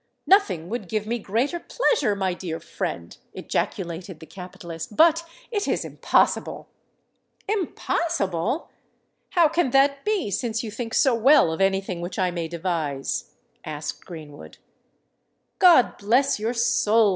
"Nothing would give me greater pleasure, my dear friend," ejaculated the capitalist: "but it is impossible." "Impossible! How can that be, since you think so well of any thing which I may devise?" asked Greenwood. "God bless your soul!"